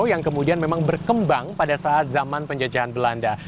yang kemudian memang berkembang pada saat zaman penjajahan belanda